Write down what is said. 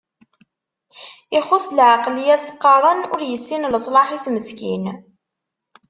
Ixuṣ leɛqel i as-qqaren, ur yessin leṣlaḥ-is meskin.